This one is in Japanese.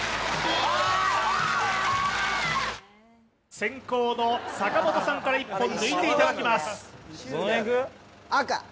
先攻の坂本さんから１本、抜いてもらいます。